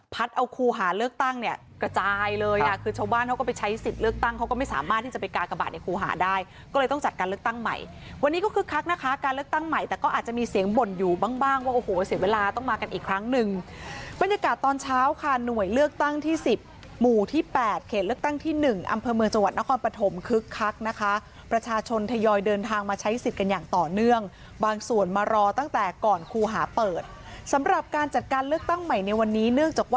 พัดเอาครูหาเลือกตั้งเนี่ยกระจายเลยคือชาวบ้านเขาก็ไปใช้สิทธิ์เลือกตั้งเขาก็ไม่สามารถที่จะไปกากบาดในครูหาได้ก็เลยต้องจัดการเลือกตั้งใหม่วันนี้ก็คึกคักนะคะการเลือกตั้งใหม่แต่ก็อาจจะมีเสียงบ่นอยู่บ้างบ้างว่าโอ้โหเสียเวลาต้องมากันอีกครั้งหนึ่งบรรยากาศตอนเช้าค่ะหน่วยเลือกตั้งที่สิบหมู่ที่แปดเขตเลือก